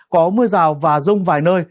có mưa rào và rông vài nơi